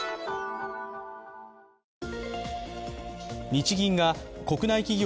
日銀が国内企業